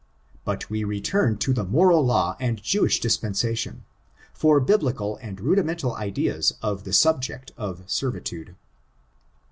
But we return to the moral law and Jewish dispensation, for Biblical and rudimental ideas of the subject of servitude.